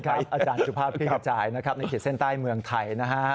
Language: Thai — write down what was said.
อาจารย์สุภาพคลิกขจายนะครับในขีดเส้นใต้เมืองไทยนะฮะ